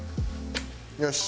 よし。